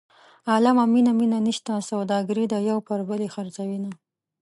عالمه مینه مینه نشته سوداګري ده یو پر بل یې خرڅوینه.